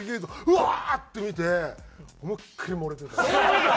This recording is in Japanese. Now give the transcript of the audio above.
「うわっ！」って見て思いっきり漏れてた。